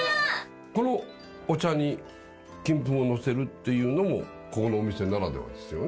このお茶に金粉をのせるっていうのもここのお店ならではですよね？